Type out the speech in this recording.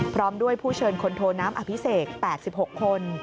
พร้อมด้วยผู้เชิญคนโทน้ำอภิเษก๘๖คน